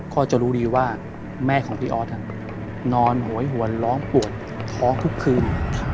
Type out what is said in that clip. ก็จะรู้ดีว่าแม่ของพี่ออสนอนโหยหวนร้องปวดท้องทุกคืน